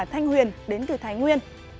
thanh huyền đến từ thái nguyên